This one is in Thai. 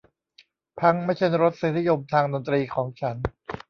พั้งค์ไม่ใช่รสนิยมทางดนตรีของฉัน